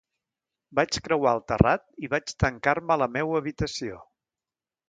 Vaig creuar el terrat i vaig tancar-me a la meua habitació.